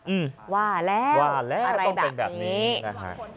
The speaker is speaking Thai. อืมว่าแล้วอะไรต้องเป็นแบบนี้นะฮะ